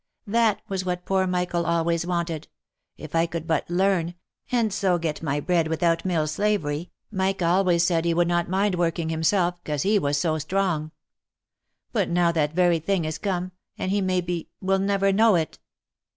" That was what poor Mi chael always wanted. If I could but learn, and so get my bread with out mill slavery, Mike always said he would not mind working himself, 'cause he was so strong. But now that very thing is come ; and he, maybe, wijl never know it